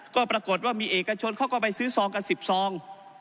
ก็ปรากฏว่ามีเอกชนเขาก็ไปซื้อซองกัน๑๐ซอง